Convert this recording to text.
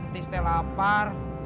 tis teh lapar